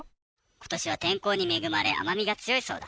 ことしは天候に恵まれ甘みが強いそうだ。